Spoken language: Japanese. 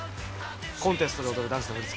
コンテストで踊るダンスの振り付けだ。